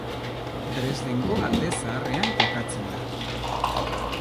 Dresdengo Alde Zaharrean kokatzen da.